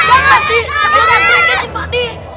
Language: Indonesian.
jangan jangan jangan pak di